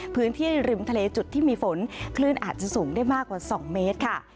พื้นที่ริมทะเลจุดที่มีฝนคลื่นอาจจะสูงได้มากกว่า๒เมตรค่ะ